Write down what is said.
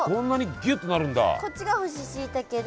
こっちが干ししいたけで。